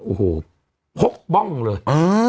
โอ้โหพกบ้องเลย